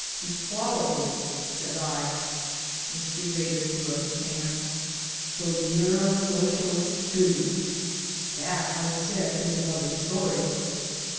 "Equality," said I. Mr. Vedder threw up his hands. "So you're a Socialist, too!" "That," I said, "is another story."